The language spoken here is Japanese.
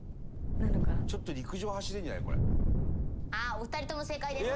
お二人とも正解です！